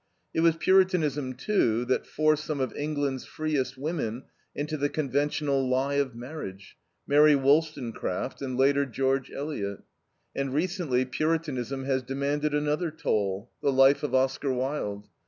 It was Puritanism, too, that forced some of England's freest women into the conventional lie of marriage: Mary Wollstonecraft and, later, George Eliot. And recently Puritanism has demanded another toll the life of Oscar Wilde.